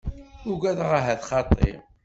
Ugadeɣ ahat xaṭi.